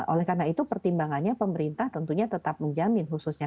oleh karena itu pertimbangannya pemerintah tentunya tetap menjamin khususnya